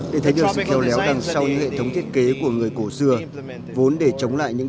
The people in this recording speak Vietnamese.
để thấy được sự khéo léo đằng sau hệ thống thiết kế của người cổ xưa vốn để chống lại những